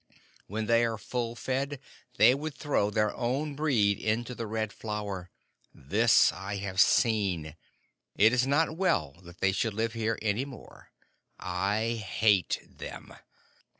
When they are full fed they would throw their own breed into the Red Flower. This I have seen. It is not well that they should live here any more. I hate them!"